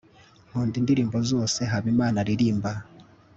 nkunda indirimbo zose habimana aririmba